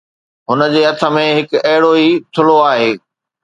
هُن جي هٿ ۾ هڪ اهڙو ئي ٿلهو هو